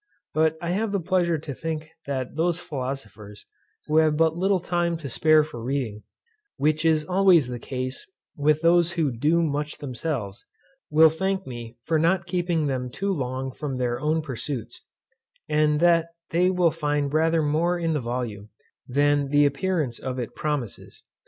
But I have the pleasure to think that those philosophers who have but little time to spare for reading, which is always the case with those who do much themselves, will thank me for not keeping them too long from their own pursuits; and that they will find rather more in the volume, than the appearance of it promises.